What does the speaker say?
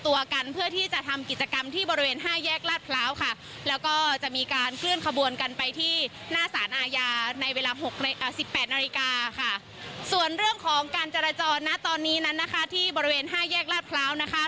ะตอนนี้นะคะที่บริเวณห้ายแห้กรัชพร้าวนะคะ